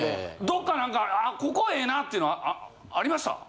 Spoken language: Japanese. どっか何か「ここええな」っていうのありました？